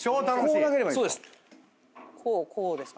そうです。